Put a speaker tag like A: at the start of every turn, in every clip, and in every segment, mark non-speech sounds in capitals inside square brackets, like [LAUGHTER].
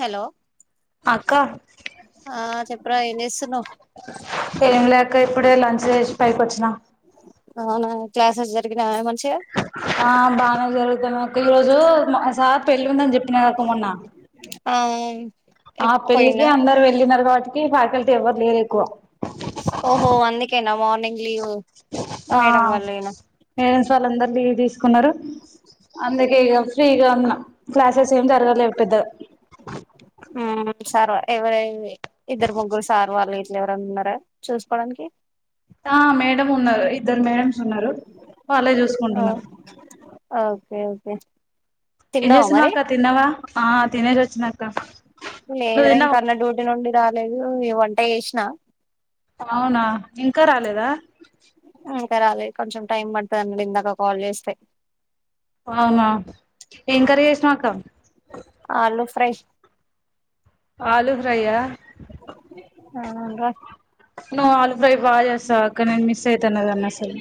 A: Hello
B: అక్క
A: ఆ చెప్పురా ఏమ్ జేస్తున్నావ్.
B: ఇంకా ఇప్పుడే లంచ్ జేసి పైకొచ్చిన
A: ఔనా క్లాసెస్ జరిగినాయా ఎమన్న
B: ఆ బానే జరుగుతున్నదక్క ఈ రోజు మ సార్ పెళ్లుందని చెప్పినగ. కు మెన్న
A: ఆ
B: ఆ పెళ్ళికి
A: పోయినా
B: అందరు వెళ్ళినరు కావ. ట్టి ఫ్యాకల్టి ఎవర్ర్ లేరెక్కువ
A: ఓహో అందుకేనా మార్నింగ్ లీవ్
B: ఆ
A: మేడం వాళ్ళేనా
B: మేడమ్ వాళ్ళంద. లీవ్ దీస్కున్నరు అందుకే ఇగ ఫ్రీగ ఉన్న క్లాసెసేమ్ జరగలేవ్ పెద్దగ.
A: ఉమ్ సార్ ఎవరై ఇద్దర్ ముగ్గురు సారు వాళ్ళు ఇట్లెవరన్నున్నర చూసుకోడానికి.
B: ఆ మేడమున్నారు. ఇద్దరు మేడమ్సున్నరు వాళ్ళే జూసుకుంటున్నరు.
A: కే ఓకే తిన్నావా మరి
B: ఎంజేస్తున్నావక్క తిన్నవా ఆ తినేసివచ్చిన అక్క నువ్వు
A: లేదురఇంక
B: తిన్నావా
A: అన్నడ్యూటీ నుండి రాలేదు ఈ వంట చేసినా
B: అవునా ఇంకారాలేదా
A: ఇంకా రాలేకొంచెం టైం పడతా దన్నాడుఇందాక కాల్ చేస్తే
B: స ప్
A: ఆలో ఫ్రెష్
B: ఆలుూ ప్రైయ
A: ఆ ఇంగా
B: నో అలు ప్రెబా చేస్తావుఅక్క నేను మిస్ అయితనధాని అసలు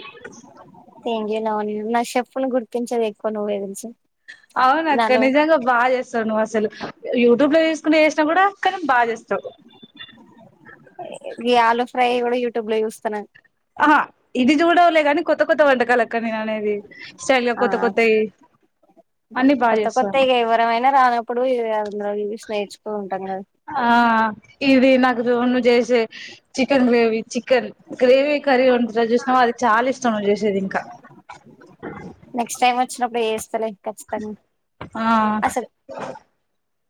A: ఎలా న చెప్పును గుర్తించె ఎక్కువ నువ్వేతెలుస
B: అవునక్క నిజంగా బా చేస్తావునువ్వు అసలు యూట్యూబ్ లో స్ కొన్ని చేసినా కూడా కానీ బాగా చేస్తావు
A: ఇ ఆలు ఫ్రై యూట్యూబ్ లో చూస్తాను
B: ఆహా ఇది చూడవులే గాని కొత్త కొత్త వంటకాలు అక్క నేను అనేది శటైల్గా
A: ఆ
B: కొత్త కొత్తయి అన్ని బాగా
A: కొత్త కొత్త
B: చేస్తాను
A: ఇక ఎవరమైనా రానప్పుడు అందరూ ఇ స్నేహించు అ
B: ఆ ఇది నాకు చ నువ్వు చేసే chicken gravy chicken gravy curry ఉంటాది చూసినావు అది చాలా ఇష్టం నువ్వు చేసేది ఇంకా
A: నెక్స్ట్ టైమ్ వచ్చినప్పుడు ఏ చేస్తలే కచితంగా
B: ఆ
A: అసలు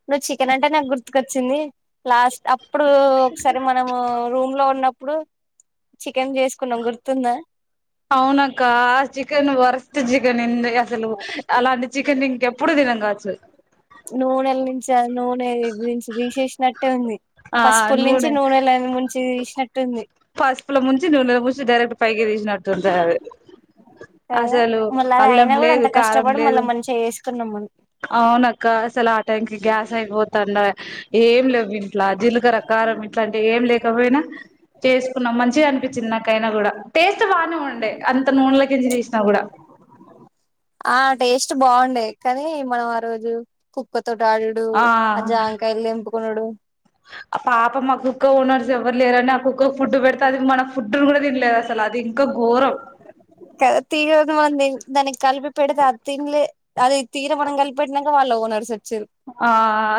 A: నువ్ చికెన్ అంటే నా గుర్తు కాచ్చింది లాస్ట్ అప్పుడు ఒకసారి మనము రూమ్ లో ఉన్నప్పు ఇప్పుడు చికెన్ చేసుకున్న గుర్తుందా
B: అవునాక్క ఆ చికెన్ వరస్ట్ చికెన్ ఎంది అసలు అలాంటి చికెన్ ఇంకెప్పుడు తినం కావచ్చు
A: నూనెల టీ ఉంది
B: ఆ
A: పసుపుల నుంచి నూనెల ము చి థెష్నాటు ఉంది
B: పస్పు లో ముంచి నునెలో ముంచి డైరెక్ట్ పైకి తీసినట్టు ఉంటాది ఆది
A: కదా
B: అసలు
A: మళ్ళీ అది
B: అల్లం
A: అయినా కూడా
B: లేదు
A: అంత
B: కారం
A: కష్టపడి
B: లేదు
A: మళ్ళీ మంచిగా చేసుకున్నాం మనం
B: అవునక్క అసలు ఆ టైంక్ గ్యాస్ అయిపోతుండ ఏం లేవు ఇంట్లా జీలకర కారం ఇట్లా ఏం లేక పోయినా చేసుకున్నాం మంచిగా అనిపించింది నాకైనా కూడా టేస్ట్ బాగానే ఉండే అంత నూనెలేకించి తీసినా కూడా
A: ఆ టేస్ట్ బాగుండే కానీ మనం ఆ రోజు కుప్ప తోటి ఆడుడు ఆ జామకాయలు తెంపు పోనుడు
B: ఆ పాప మా కుక్క ఓనర్స్ ఎవ్వరు లేరుని ఆ కుక్కకు ఫుడ్ పెడితే అది మన ఫుడ్ కూడా తినలేదు అసలు అది ఇంకా ఘోరం
A: కదా తీర మంది దానికి కలిపి పెడితే ఆ తినలే అది తీర మనం కలిపెట్టినాక వాళ్ళ ఓనర్స్ వచ్చిరు
B: ఆ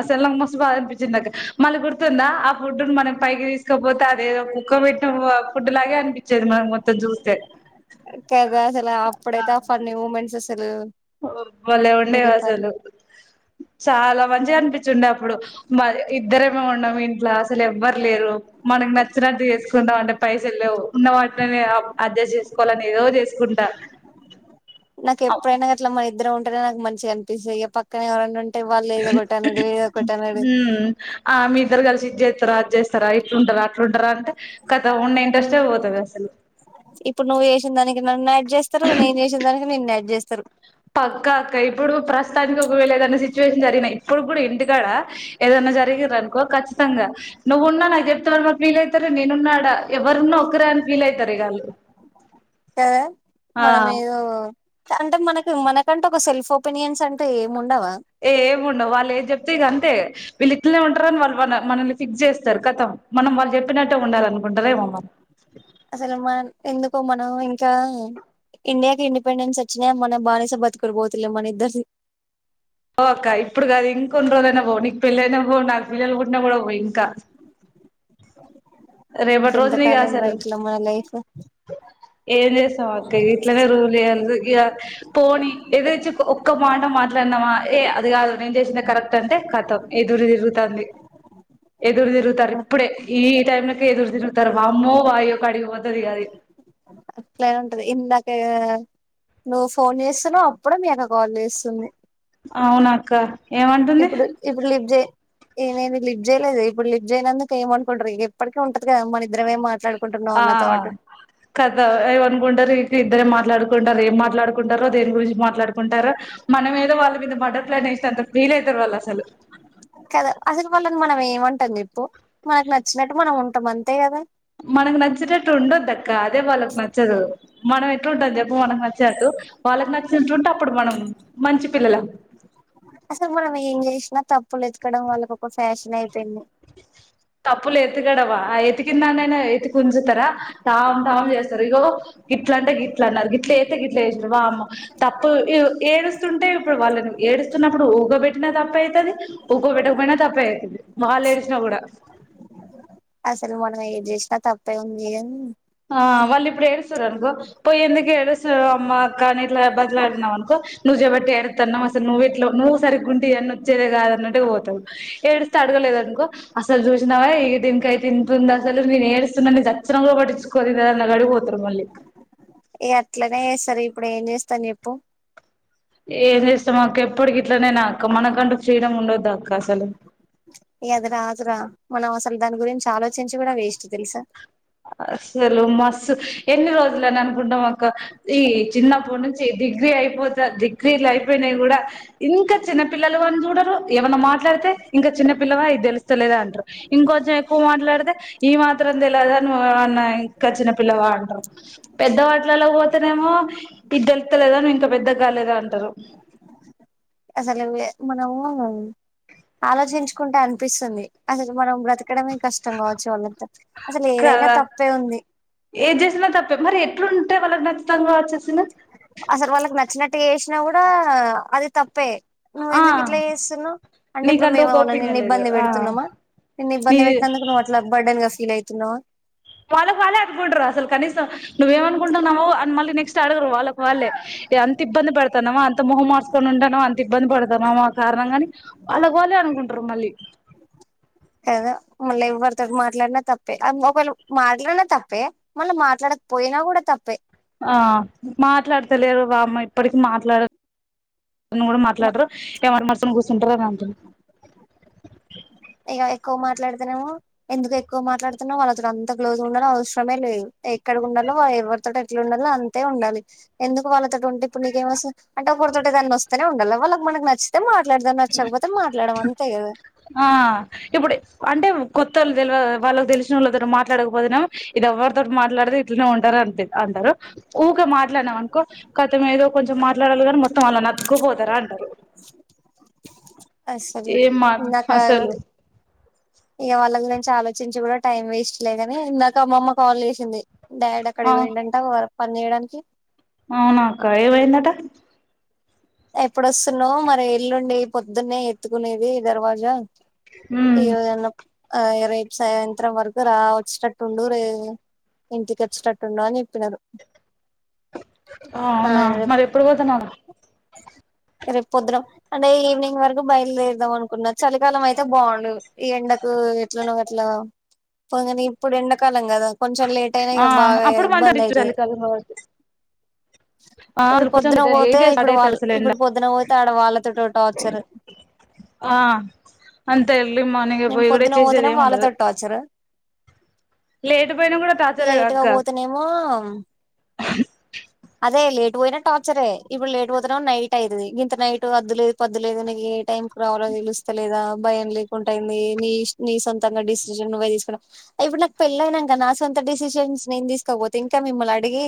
B: సెల్ల మస బాగానిపించిందక్క మళ్ళీ గుర్తుందా ఆ ఫుడ్ మనం పైకి తీసుకపోతే అదేదో కుక్క పెట్టిన ఫుడ్ లాగే అనిపించేది మనం మొత్తం చూస్తే
A: సలా అప్పుడతే ఆ ఫన్నీ మూమెంట్స్ ఆస్ సలు
B: భలే ఉండేవి అసలు చాలా మంచిగా అనిపించిండే అప్పుడు మ ఇద్దర ఉన్నాం ఇంట్లో అసలు ఎవ్వరు లేరు మనకు నచ్చినట్టు చేసుకుంటాం అంటే పైసలు లేవు ఉన్న వాటినే అడ్జస్ట్ చేసుకోవాలని ఏదో చేసుకుంటా
A: నాకు ఎప్పుడు ఐనా గట్లా మరి ఇద్దరం ఉంటేనే నాకు మంచిగా అనిపిస్తుంది ఇక పక్కన ఎవరన్నా ఉంటే వాళ్ళు
B: హ
A: ఏదో ఒకటి అనుడు ఏదో ఒకటి అనుడు
B: ఆ మీ ఇద్దరు కలిసి ఇది చేస్త రా చేస్తారా ఇట్లుంటారా అట్లుంటారా కతం ఉన్న ఇంట్రెస్టే పోతది అసలు
A: ఇప్పుడు నువ్వు చేసిన దానికి నన్ను యాడ్ చేస్తారు నేను చేసిన దానికి నిన్ను యాడ్ చేస్తారు స్తరు
B: పక్కా అక్క ఇప్పుడు ప్రస్తుతానికి వెళ్ళ ఏదైనా సిచ్యువేషన్ జరిగినా ఇప్పుడు కూడా ఇంటికాడ ఏదైనా జరిగ్ర అనుకో ఖచ్చితంగా నువ్వు ఉన్నా నాకు చెప్తా వీలైతేనే నేను ఉన్న ఆడ ఎవరూ ఉన్న ఒకరే అని ఫీల్ అయితారు ఇగాళ్ళు
A: కదా మనం ఏదో అంటే మనకు మనకంటే ఒక సెల్ఫ్ ఒపీనియన్స్ అంటే ఏం
B: ఏం ఉండవు వాళ్ళు ఏం చెప్తే ఇక అంతే వీళ్ళు ఇట్లనే ఉంటారని వాళ్ళు మన మనల్ని ఫిక్స్ చేస్తారు కథం మనం వాళ్ళు చెప్పినట్టే ఉండాల అనుకుంటారో ఏమో
A: అసలు మన ఎందుకో మనం ఇంకా ఇండియాకి ఇండిపెండెన్స్ వచ్చినా మనం బానేసా బతుకుడిపోతులే మన ఇద్దరిది
B: ఓ అక్క ఇప్పుడు కాదు ఇంక కొన్ని రోజు అయి పోవు నీకు పెళ్ళి అయినా పోవు నాకు పిల్లలు పుట్టినా కూడా పోవు ఇంకా రేపటి
A: ఇంకెంత
B: రోజున ఇగ
A: కాలం రా
B: అసలు
A: యిట్ల మన లైఫ్
B: ఏం చేస్తాం అక్క ఇట్లనే రూల్ వయ్యాలి ఇక పోని ఎదురిచ్చి ఒక్క మాట మాట్లాడినామా ఏ అది కాదు నేను చేసింది కరెక్ట్ అంటే కథం ఎదురు తిరుగుతాంది ఎదురు తిరుగుతారు ఇప్పుడే ఈ టైంలో ఎదుర్ తిరుగుతారు వమ్మో వాయో కడికి పోతాది ఆది
A: అట్లే ఉంటది ఇందాక నువ్వు ఫోన్ చేస్తున్నావ్ అప్పుడే మీ అక్క కాల్ చేస్తుంది
B: అవును అక్క ఏమంటుంది
A: ఇప్పుడు ఇప్పుడు లిఫ్జే ఏమనేమి లిఫట్ చేయలేదు ఇప్పుడు లిఫట్ చేయన అందుకు ఏమనుకోండి ఇ ఎప్పటిక ఉంటది కదా మన ఇరమేం మాట్లాడు
B: ఆ కథ ఏం అనుకుంటారు ఇక ఇద్దర మాట్లాడుకుంటారు ఏం మాట్లాడుకు కుండారు దేని గురించి మాట్లాడుకుంటారు మనం ఏదో వాళ్ళ మీద మర్డర్ ప్లాన్ వేసినంత ఫీలయితారు వాళ్ళు అసలు
A: కదా అసలు వాళ్లని మనం ఏం అంటం చెప్పు మనకు నచ్చినట్టు మనం ఉంట టమ్ అంతే కదా
B: మనకు నచ్చి నట్టు ఉండద్ద అదే వాళ్లకు నచ్చదు మనం ఎట్లా ఉంటుంది చెప్ మనకు నచ్చినట్టు వాళ్ళకి నచ్చి నట్టు ఉంటే అప్పుడు మనం మంచి పిల్లలం
A: అసలు మనం ఏం జేసినా తప్పులు ఎతకడం వాళ్ళకి ఒక ఫ్యాషన్ అయింది తెన్న
B: తప్పులు ఎతుకడవా ఆ ఎతికిందాన్న అైనా ఎతికి ఉంచుతారా తాం తాం చేస్తారు ఇగో గిట్ల అంటే గిట్లు అన్నారు గిట్లు వస్తతే గిట్లు వస్తారు బ అమ్మ తప్పు ఏడుస్తుంటే ఇప్పుడు వాళ్ళని ఏడుస్తున్నప్పుడు ఊగోబెట్టినా తప్పు అవుతుంది ఊగో పెట్టకపోయినా తప్పు అవుతుది మహ లే ఏడుసినా కూడా
A: జేసిన తప్పే ఉంది ఏం
B: ఆ వాళ్ళు ఇప్పుడు ఏడుస్తారునుకో పోయేందుకేడుస్తారు అమ్మ కాని ఇట్లా బదిలాడినావు అనుకో నువ్వు చెబట్టి ఏడుతున్నావు అసలు నువ్వు ఇట్లా నువ్వు సరిగ్గు ఉంట ఇవన్న వచ్చేదే కాద అన్నట్టుగా పోతావు ఏడుస్తే అడగలేదునుకో అసలు చూసినవే ఇ దీనికైతే ఇంతంది అసలు నేను ఏడుస్తున్నా నీ చచ్చన లో పట్టించు అ నా గడి పోతుారు మళ్లికి
A: అట్లనే చేస్తారు ఇప్పుడు ఏం చేస్తాను చెప్పు
B: ఏం చేస్తాం మాకు ఎప్పటికి ఇట్లనేనా అక్క మనకంటూ ఫ్రీడమ్ ఉండొదు అక్క అసలు
A: ఏద్రా అ్ర మనవస అసలు దాని గురించి ఆలోచించి కూడా వేస్ట్ తెలుసా
B: అసలు మస్సు ఎన్ని రోజులని అనుకుంటాం అక్క ఈ చిన్నప్పటి నుంచి డిగ్రీ అయిపోతా దిగ క్రియలు అయిపోయినాయి కూడా ఇంకా చిన్న పిల్లలు వాని చూడరు ఏమన్నా మాట్లాడితే ఇంకా చిన్న పిల్లవా అది తెలుస్తలేదా అంటారు ఇంకొంచెం ఎక్కువ మాట్లాడితే ఈ మాత్రం తెలిద కచ్చిన పిల్ వాడు్ర పెద్ద వాటిలలో పో స్తనేమో ఇదిద్దలుతలేదా నువ్ ఇంకా పెద్ద కాలేదా అంటారు
A: అసలు మనము ఆలోచించుకుంటే అనిపిస్తుంది అసలు మనం బ్ర ఇక్కడమే కష్టం కావచ్చు వాళ్ళంతా అసలు ఏదైనా
B: కదా
A: తప్పే ఉంది
B: వాళ నచ్చతంగ వచ్చసిిన
A: ఇట్ చేసినా కూడా అది తప్పే నువ్వు
B: ఆ
A: ఎందుకు ఇట్లా చేస్తున్నావు అంటే ఇప్పుడు
B: నీకంటూ ఒక
A: మేమువు నిన్న
B: ఒపీనియన్ లేదు
A: ఇబ్బంది
B: ఆ
A: పెడుతున్నామా నిన్న
B: నీ
A: ఇబ్బంది పెట్నందుకు నువ్వు అట్లా బర్డ గా ఫీల్ అయివుతు తిన్నావా
B: వాళ్ళకి వాళ్ళే అనుకుడరు అసలు కనీసం నువ్వేమ అనుకుంటావున్నావ్వు మళ్ళీ నెక్స్ట్ అడగరు వాళ్ళకు వాళ్ళే ఎంత ఇబ్బంది పెడతానమా అంత మొహం మార్చకొని ఉంటానో అంత ఇబ్బంది పెడతానమా కారణం కాని వాళ్ళకు వాళ్ళే అనుకుంటారు మళ్ళీ
A: కదా మళ్ళీ ఎవరితో మాట్లాడినా తప్పే ఒకేళ మాట్లాడినా తప్పే మళ్ళీ మాట్లాడకపోయినా కూడా తప్పే
B: ఆ మాట్లాడతలేరు బామ్మ ఇప్పటికి మాట్లాడ అని కూడా మాట్లాడరు ఏమన్న మర్చని కూర్చుంటారు అని అంటు [UNINTELLIGIBLE]
A: ఇక ఎక్కువ మాట్లాడుతునేమో ఎందుకు ఎక్కువ మాట్లాడుతున్నాో వాళ్ళతో అంత క్లోజ్గా ఉండాలో అవసరమే లేదు ఎక్కడ ఉంలో వా ఎవరితోట ఎట్లా ఉండాలో అంతే ఉండాలి ఎందుకు వాళ్ళతో ఉంటే ఇప్పుడు నీకేమోసలు అంట ఒకడు తోటే కని బస్త నే ఉండాల వాళ్ళ మనకి నచ్చతే మా మాట్లాడదాని నచ్చకపోతే మాట్లాడడం అంతే కదా
B: ఆ ఇప్పుడు అంటే కొత్తళ్ళ తెలివద వాళ్ళకి తెలిసిన వాళ్ళతో మాట్లాకపోతునాం ఇది ఎవర్ మాట్లాడతే ఇట్లనే ఉంటారు అందరు ఊకే మాట్లాడం అనుకో కతం ఏదో కొంచెం మా అలల్ గారు మొత్తం అళ్ళ అద్కు పోదారా అంటారు
A: అసలు
B: ఏ మా
A: ఇందాక
B: అసలు
A: ఇక వాళ్ళగురించి ఆలోచించి కూడా టైం వేస్ట్ లేదని ఇందాక అమ్మమ్మ కాల్ చేసింది డాడ్ అక్కడకి పోయిండంట వర పనిజేయడానికి
B: అవునాక్క ఏ వైందటా
A: ఎప్పుడొస్తున్నావు మరి ఎల్లుండి పొద్దున్నే ఎత్తుకునేది దర్వాజా
B: ఉమ్
A: ఇవన్న ఆ రైపుసయంత సాయంత్రం వరకు రా వచ్చేటట్టుండు రే ఇంటికి వచ్చేటట్టుండు అని చెప్పినారు
B: ఆ అవునా మరి ఎప్పుడు పోతున్నాను
A: రేపు పొదురం అంటే ఈవినింగ్ వరకు బయలుదేరదాం అనుకున్న చలికాలం అయితే బాగు అ [UNINTELLIGIBLE] ఈ ఎండకు ఎట్లనో అట్లా పగానే ఇప్పుడు ఎండాకాలం కదా కొంచెం లేట్ అయినా
B: ఆ
A: ఇక బాగా
B: అప్పుడు
A: ఇబ్బంది
B: మంచిగా
A: అయితది
B: చలికాలం కాబట్టి ఆ
A: ఇప్పుడు
B: అసలు కొంచెం
A: పొద్దున
B: ఏం
A: పోతే
B: స్టార్ట్
A: ఇప్పుడు వాళ్ళ
B: అవుతారు అసలు ఎండ
A: ఇప్పుడు పొద్దున పోతే ఆడ వాళ్ళతో
B: ఆ అన్ ఎర్లీ మార్నింగ్
A: నేను
B: పోయి కూడా
A: పొద్దున
B: చేసేది
A: పోతేనే
B: ఏమి ఉండదు
A: వాళ్ళతో టార్చర్
B: లేట్ పోయినా కూడా టార్చర్ గా
A: లేట్
B: అక్క
A: పోతేనేమో
B: అ [UNINTELLIGIBLE]
A: అదే లేటు పోయినా టార్చరే ఇప్పుడు లేట్ పోతున్నా నైట్ అయితుది ఇంత నైట్ అద్దులేదు పద్దు లేదు ఏ టైం కు రావాలో తెలుస్తలేదా భయం లేకుంటయింది నీ నీ సొంతంగా డెసిషన్ భ తీసుకు ఇప్పుడు నాకు పెళ్ళ అయినాక నా సొంత డెసిషన్స్ నేను తీసుకోకపోతే ఇంకా మిమ్మని అడిగి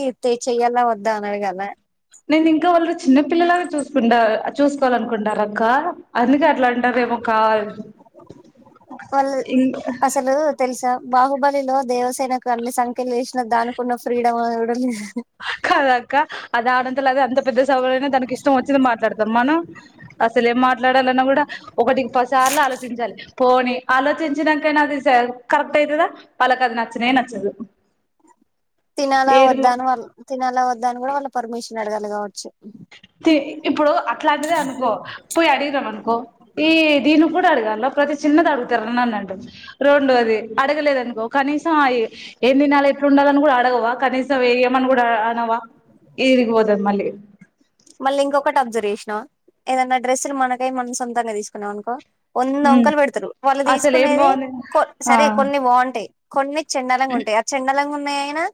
A: చెయ్యాల వద్దా అడగాల
B: నేను ఇంకా వాళ్ళు చిన్న పిల్లలానే చూసుకుంటా చూసుకోవాలనుకుంటార అక్క అందుక లండరమ కాల్
A: వాళ్ళు అసలు తెలుసా బాహుబలిలో దేవసేనకు అన్ని సంకెలు వేసిన దానికున్న ఫ్రీడమ్ కూడా లేదు.
B: కాదా అక్క అది ఆడ అ అంతలా [UNINTELLIGIBLE] ఎవలైనా తనకి ఇష్టం వచ్చింది. మాట్లాడతారు. మనం అసలే ఏం మాట్లాడాలన్నా కూడా ఒకటికి పదిసార్లు ఆలోచించాలి. పోని ఆలోచించాకైనా అది కరెక్ట్ అయితదా వాళ్ళకాది నచ్చనే నచ్చదు.
A: తినాలా
B: ఏదిమో
A: వద్దాను వాళ్ళు తినలా వద్దాని కూడా వాళ్ళ పర్మిషన్ అడగాలి. కావచ్చు
B: ఇప్పుడు అట్లాంటిదే అనుకో పోయి అడిగినం అనుకో. ఈ దీన్ని కూడా అడిగల్నా ప్రతి చిన్నది అడుగుతారా నన్ను అంటాడు. రెండోది అడగలేద అనుకో కనీసం ఎమ్ తినాల ఎట్లు ఉండాలిని, కూడా అడగవా కనీసం వేయమని కూడా అనవా ఎడికిపోతది. మళ్ళీ
A: మళ్ళీ ఇంకొకటి అబ్జర్వేషన్ ఏదన్నా డ్రెస్సులు మనకై మనం సొంతంగా తీసుకున్నాం. అనుకో వంద
B: ఉమ్
A: వంకలు పెడతారు. వాళ్ళు
B: అసలు ఏం
A: తీసుకునేది
B: బాగుంది ఆ
A: సరే కొన్ని బాగుంటాయి. కొన్ని చెండాలంగా ఉంటాయి. ఆ చెండాలంగా ఉన్ నేను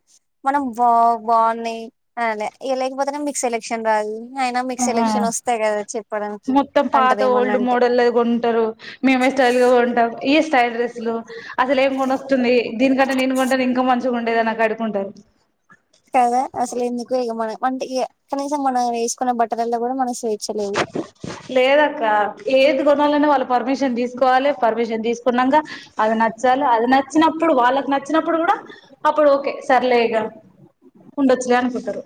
A: మనం బా బాగున్నాయి. అనాలి లేకపోతే మీకు సెలక్షన్ రాదు అయినా మీకు
B: ఆ
A: సెలక్షన్ వస్తాయి కదా చెప్పడానికి
B: మొత్తం పాత
A: అంటారేమన్నా
B: ఓల్డ్
A: అంటే
B: మోడల్ కొంటారు. మేమే స్టైల్ గా కొంటాం. ఈ స్టైల్ డ్రెస్సులు అసలే ఏం కొనువాస్తోంది. దీనికంటే నేను కొంటేనే ఇంకా మంచిగా ఉండేది. అని లాడుకుంటారు.
A: కదా అసలు ఎందుకో ఇగా మనం అంటే కనీసం మనం వేసుకున్న బట్టలల్లో కూడా మనం
B: లేదక్క లేదు కొనాలనే వాళ్ళ పర్మిషన్ తీసుకోవాలి. పర్మిషన్ తీసుకున్నాంగా అది నచ్చాలి. అది నచ్చినప్పుడు వాళ్ళకి నచ్చినప్పుడు కూడా అప్పుడు ఓకే సరేలే ఇగా ఉండొచ్చులే అనుకుంటాడు.